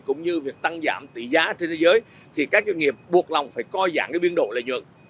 cũng như việc tăng giảm tỷ giá trên thế giới thì các doanh nghiệp buộc lòng phải coi giảm biên độ lợi nhuận